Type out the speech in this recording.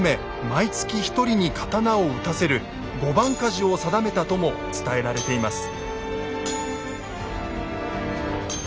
毎月１人に刀を打たせる「御番鍛冶」を定めたとも伝えられています。